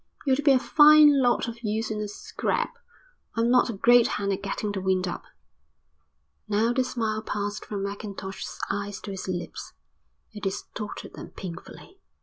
"You'd be a fine lot of use in a scrap. I'm not a great hand at getting the wind up." Now the smile passed from Mackintosh's eyes to his lips. It distorted them painfully.